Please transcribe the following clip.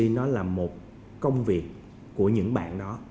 kolkoc là một công việc của những bạn đó